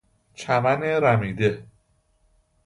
چمن رمیده